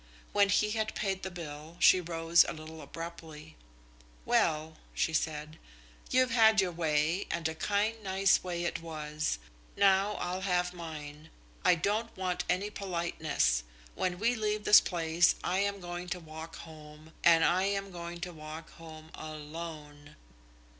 When he had paid the bill, she rose a little abruptly. "Well," she said, "you've had your way, and a kind, nice way it was. Now I'll have mine. I don't want any politeness. When we leave this place I am going to walk home, and I am going to walk home alone."